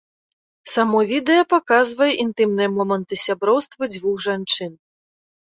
Само відэа паказвае інтымныя моманты сяброўства дзвюх жанчын.